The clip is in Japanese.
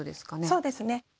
そうですね。